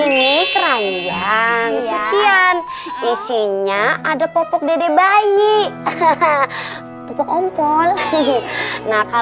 sekarang kita jalani misi kita